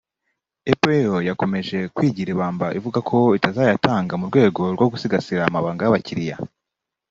Apple yo yakomeje kwigira ibamba ivuga ko itazayatanga mu rwego rwo gusigasira amabanga y’Abakiriya